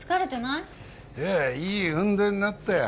いやいい運動になったよ